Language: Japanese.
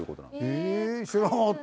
へえ知らなかった！